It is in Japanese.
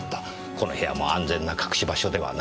この部屋も安全な隠し場所ではない。